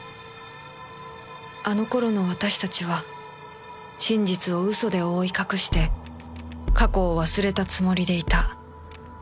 あの頃の私たちは真実を嘘で覆い隠して過去を忘れたつもりでいた